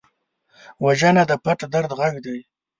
وژنه د پټ درد غږ دی